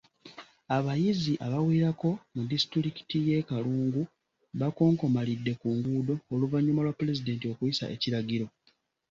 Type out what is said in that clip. Abayizi abawerako mu disitulikiti y’e Kalungu bakonkomalidde ku nguudo oluvannyuma lwa Pulezidenti okuyisa ekiragiro.